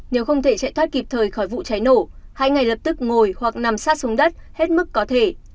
nếu không thể chạy thoát kịp thời khỏi vụ cháy nổ hãy ngay lập tức ngồi hoặc nằm sát xuống đất hết mức có thể